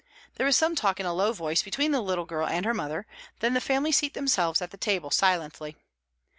There is some talk in a low voice between the little girl and her mother; then the family seat themselves at table silently.